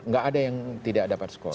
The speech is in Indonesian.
nggak ada yang tidak dapat sekolah